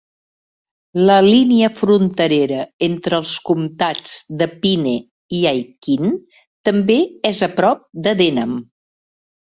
La línia fronterera entre els comtats de Pine i Aitkin també és a prop de Denham.